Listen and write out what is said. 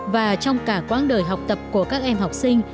và trong cả quãng đời học tập của các em học sinh